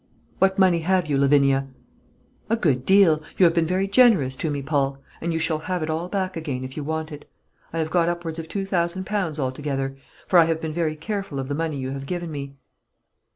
"What money have you, Lavinia?" "A good deal; you have been very generous to me, Paul; and you shall have it all back again, if you want it. I have got upwards of two thousand pounds altogether; for I have been very careful of the money you have given me."